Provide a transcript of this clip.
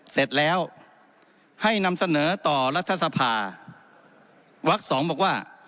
เสร็จแล้วให้นำเสนอต่อรัฐสภาวักสองบอกว่า